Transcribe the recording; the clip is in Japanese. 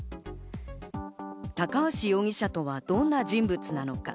高橋容疑者とはどんな人物なのか？